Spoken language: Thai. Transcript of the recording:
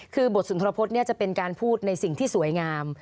คือบทสุนทรพฤษจะเป็นการพูดในสิ่งที่สวยงาม